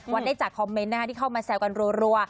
วัดได้จากคอมเมนต์ที่เข้ามาแซวกันรัว